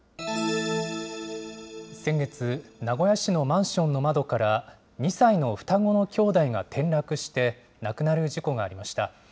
先月、名古屋市のマンションの窓から２歳の双子の兄弟が転落して、亡くなる事故がありました。